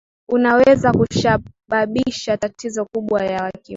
unaweza kushababisha tatizo kubwa ya wakimbizi